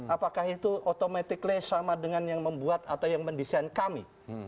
apakah itu automatically sama dengan yang membuat atau yang mendesain kami